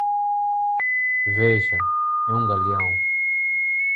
Veja: é um galeão!